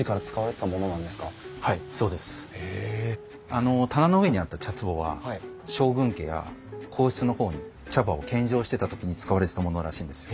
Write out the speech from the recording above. あの棚の上にあった茶つぼは将軍家や皇室のほうに茶葉を献上してた時に使われてたものらしいんですよ。